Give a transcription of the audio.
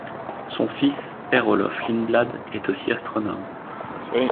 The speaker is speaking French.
Son fils Per-Olof Lindblad est aussi astronome.